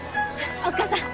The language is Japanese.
おっ母さん